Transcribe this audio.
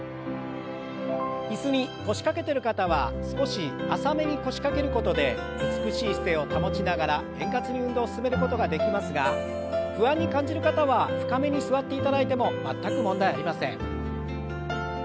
椅子に腰掛けてる方は少し浅めに腰掛けることで美しい姿勢を保ちながら円滑に運動を進めることができますが不安に感じる方は深めに座っていただいても全く問題ありません。